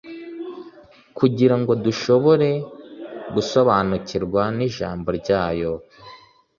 kugira ngo dushobore gusobariukirwa n'ijambo ryayo.